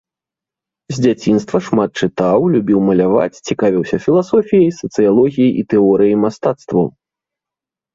З дзяцінства шмат чытаў, любіў маляваць, цікавіўся філасофіяй, сацыялогіяй і тэорыяй мастацтваў.